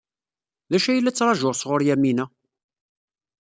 D acu ay la ttṛajuɣ sɣur Yamina?